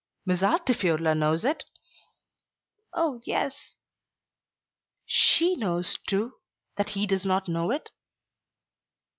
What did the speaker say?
"Miss Altifiorla knows it?" "Oh, yes!" "She knows, too, that he does not know it?"